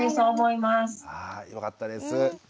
はいよかったです。